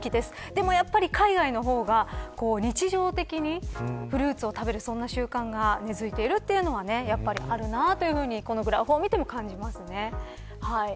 でもやっぱり海外の方が日常的にフルーツを食べる習慣が根づいているというのはやっぱりあるなとこのグラフを見ても感じます。